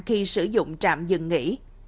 khi sử dụng trạm dừng nghỉ